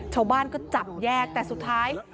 ชาวบ้านก็จับแยกแต่สุดท้าย